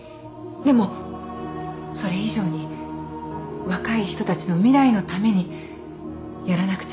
でもそれ以上に若い人たちの未来のためにやらなくちゃいけないことがある。